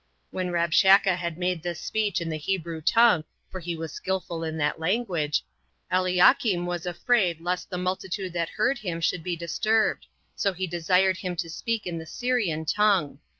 When Rabshakeh had made this speech in the Hebrew tongue, for he was skillful in that language, Eliakim was afraid lest the multitude that heard him should be disturbed; so he desired him to speak in the Syrian tongue.